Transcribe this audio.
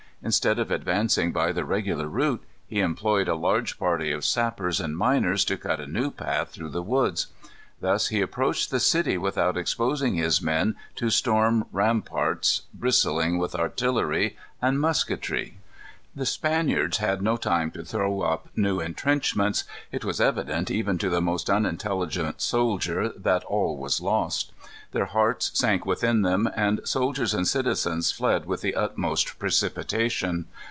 Instead of advancing by the regular route, he employed a large party of sappers and miners to cut a new path through the woods. Thus he approached the city without exposing his men to storm ramparts bristling with artillery and musketry. The Spaniards had no time to throw up new intrenchments. It was evident, even to the most unintelligent soldier, that all was lost. Their hearts sank within them, and soldiers and citizens fled with the utmost precipitation.